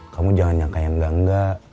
kamu jangan nyangka yang enggak enggak